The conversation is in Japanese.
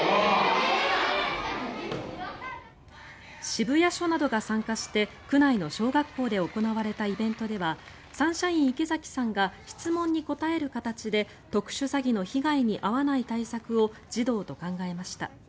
渋谷署などが参加して区内の小学校で行われたイベントではサンシャイン池崎さんが質問に答える形で特殊詐欺の被害に遭わない対策を児童と考えました。